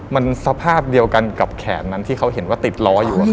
มันสภาพเดียวกันกับแขนนั้นที่เขาเห็นว่าติดล้ออยู่